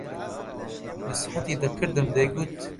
نسحەتی دەکردم دەیگوت: